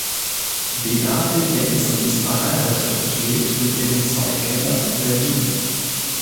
Beate Jensen ist verheiratet und lebt mit ihren zwei Kindern in Berlin.